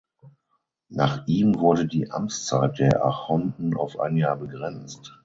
Nach ihm wurde die Amtszeit der Archonten auf ein Jahr begrenzt.